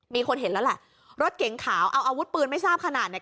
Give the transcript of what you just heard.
มีคนเห็นแล้วแหละรถเก๋งขาวเอาอาวุธปืนไม่ทราบขนาดเนี่ย